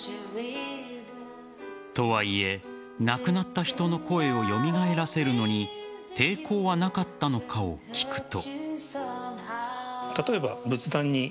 とはいえ、亡くなった人の声を蘇らせるのに抵抗はなかったのかを聞くと。